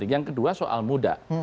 yang kedua soal muda